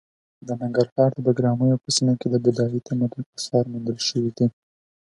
د ننګرهار د بګراميو په سیمه کې د بودايي تمدن اثار موندل شوي دي.